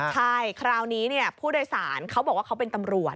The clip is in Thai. ใช่คราวนี้ผู้โดยสารเขาบอกว่าเขาเป็นตำรวจ